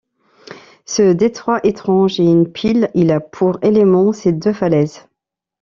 Ce détroit étrange est une pile ; il a pour éléments ses deux falaises.